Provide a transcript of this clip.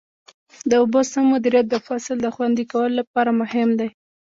د اوبو سم مدیریت د فصل د خوندي کولو لپاره مهم دی.